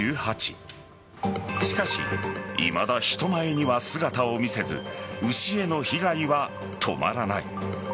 しかし、いまだ人前には姿を見せず牛への被害は止まらない。